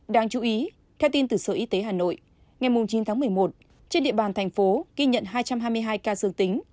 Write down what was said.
đáng chú ý theo tin từ sở y tế hà nội ngày chín tháng một mươi một trên địa bàn thành phố ghi nhận hai trăm hai mươi hai ca dương tính